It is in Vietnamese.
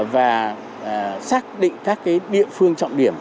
và xác định các địa phương trọng điểm